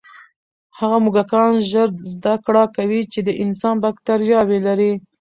هغه موږکان ژر زده کړه کوي چې انسان بکتریاوې لري.